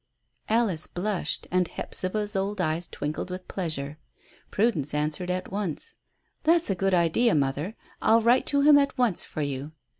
Alice blushed and Hephzibah's old eyes twinkled with pleasure. Prudence answered at once "That's a good idea, mother, I'll write to him at once for you."